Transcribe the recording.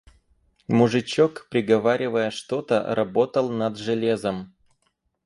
Мужичок, приговаривая что-то, работал над железом.